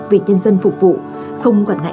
vì nhân dân phục vụ không quản ngại